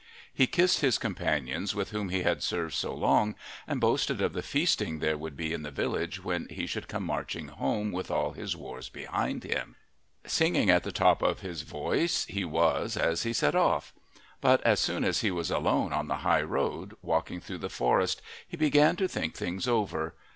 He kissed his companions with whom he had served so long, and boasted of the feasting there would be in the village when he should come marching home with all his wars behind him. Singing at the top of his voice he was as he set off. But as soon as he was alone on the high road, walking through the forest he began to think things over.